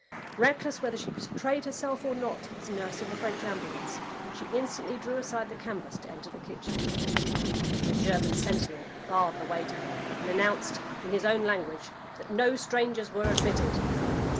Reckless whether she betrayed herself or not as nurse in the French ambulance, she instantly drew aside the canvas to enter the kitchen. A German sentinel barred the way to her, and announced, in his own language, that no strangers were admitted.